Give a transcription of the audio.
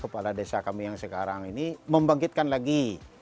kepala desa kami yang sekarang ini membangkitkan lagi